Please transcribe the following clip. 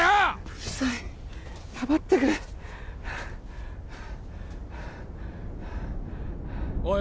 うるさい黙ってくれおい